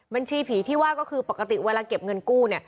บัญชีผีที่ว่าก็คือปกติเวลาเก็บเงินกู้